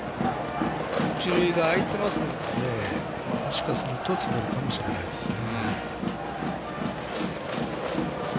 一塁側が空いていますのでもしかすると詰めるかもしれないですね。